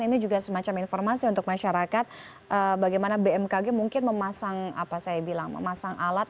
ini juga semacam informasi untuk masyarakat bagaimana bmkg mungkin memasang alat